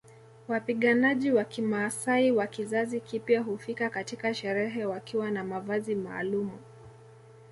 Wapiganaji wa kimaasai wa kizazi kipya hufika katika sherehe wakiwa na mavazi maalumu